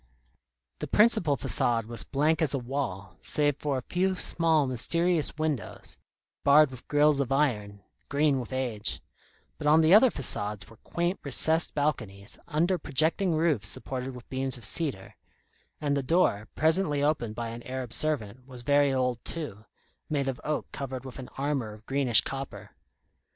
The principal façade was blank as a wall, save for a few small, mysterious windows, barred with grilles of iron, green with age; but on the other façades were quaint recessed balconies, under projecting roofs supported with beams of cedar; and the door, presently opened by an Arab servant, was very old too, made of oak covered with an armour of greenish copper.